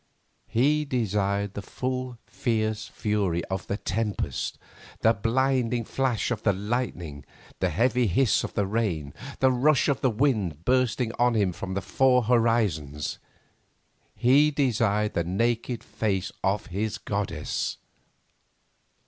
He desired the full fierce fury of the tempest, the blinding flash of the lightning, the heavy hiss of the rain, the rush of the winds bursting on him from the four horizons; he desired the naked face of his goddess.